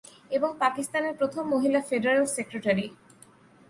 এবং পাকিস্তানের প্রথম মহিলা ফেডারেল সেক্রেটারি।